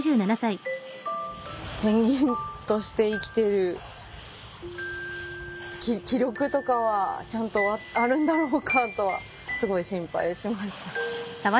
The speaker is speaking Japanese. ペンギンとして生きている気力とかはちゃんとあるんだろうかとすごい心配しました